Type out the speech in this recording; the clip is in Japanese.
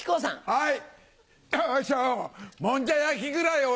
はい。